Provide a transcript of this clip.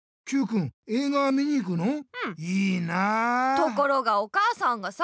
ところがお母さんがさ